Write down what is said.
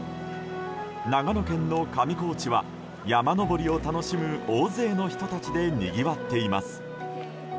長野県の上高地は山登りを楽しむ大勢の人たちでにぎわっています。